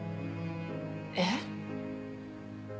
えっ！？